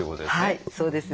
はいそうです。